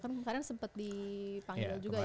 kan kemarin sempat dipanggil juga ya